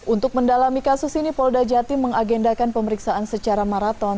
untuk mendalami kasus ini polda jati mengagendakan pemeriksaan secara maraton